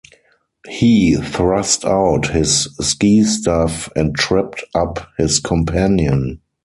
He thrust out his ski staff and tripped up his companion.